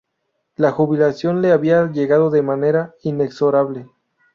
La jubilación le había llegado de manera inexorable.